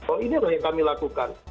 oh ini adalah yang kami lakukan